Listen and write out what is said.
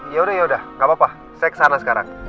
yaudah yaudah gak apa apa saya kesana sekarang